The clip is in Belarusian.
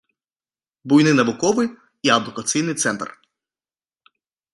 Буйны навуковы і адукацыйны цэнтр.